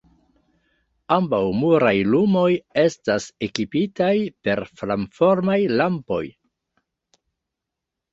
Ambaŭ muraj lumoj estas ekipitaj per flamformaj lampoj.